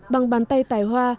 bằng bàn tay tài hoa